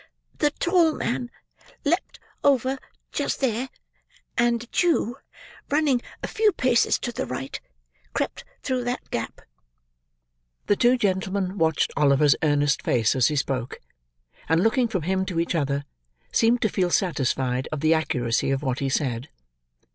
"The tall man leaped over, just there; and the Jew, running a few paces to the right, crept through that gap." The two gentlemen watched Oliver's earnest face, as he spoke, and looking from him to each other, seemed to feel satisfied of the accuracy of what he said.